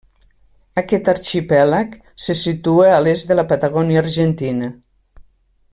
Aquest arxipèlag se situa a l'est de la Patagònia argentina.